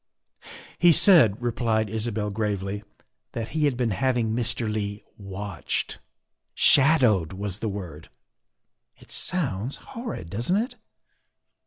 '' He said, '' replied Isabel gravely, '' that he had been having Mr. Leigh watched, ' shadowed' was the word. It sounds horrid, doesn't it?"